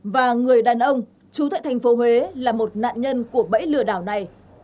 và người đàn ông chú tại thành phố huế là một nạn nhân của bẫy lừa đảo này